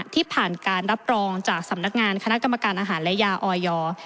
ที่ผ่านการรับรองจากสำนักงานคณะกรรมการอาหารและยาออยอร์